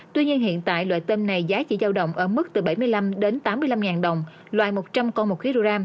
tuy nhiên hiện tại loại tôm này giá chỉ giao động ở mức từ bảy mươi năm đến tám mươi năm đồng loại một trăm linh con một kg